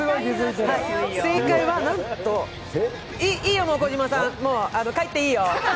いいよ、もう児嶋さん帰っていいよ。